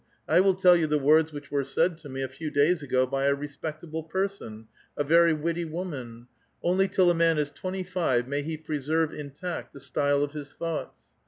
I will tell you the words which were said to me a few days ago by a respectable person — a very witt\* woman, ' Only till a man is twenty five may he preseiTC intact the style of his thoughts.'"